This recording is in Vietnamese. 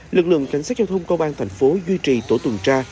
lực lượng cảnh sát giao thông công an thành phố duy trì tổ tuần tra